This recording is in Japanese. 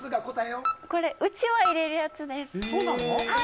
これうちは入れるやつです。